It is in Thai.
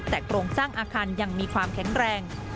แต่โครงสร้างอาคารยังมีความแข็งแรง